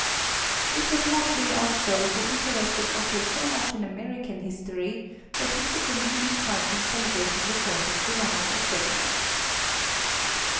It was Motley also who interested Otto so much in American history that he took a leading part in celebrating the Fourth of July at Göttingen.